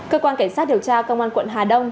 cơ quan cảnh sát điều tra công an quận hà đông